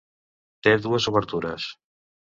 Té dues obertures.